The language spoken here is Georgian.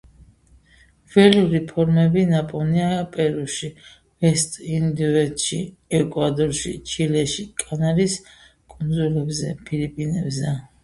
ველური ფორმები ნაპოვნია პერუში, ვესტ-ინდოეთში, ეკვადორში, ჩილეში, კანარის კუნძულებზე, ფილიპინებზე.